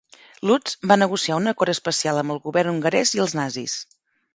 Lutz va negociar un acord especial amb el govern hongarès i els nazis.